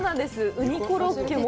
うにコロッケも。